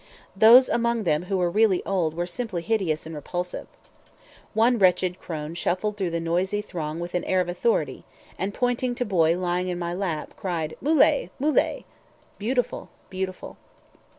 Those among them who were really old were simply hideous and repulsive. One wretched crone shuffled through the noisy throng with an air of authority, and pointing to Boy lying in my lap, cried, "Moolay, moolay!" "Beautiful, beautiful!"